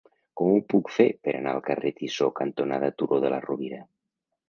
Com ho puc fer per anar al carrer Tissó cantonada Turó de la Rovira?